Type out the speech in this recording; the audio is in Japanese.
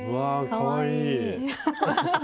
かわいい！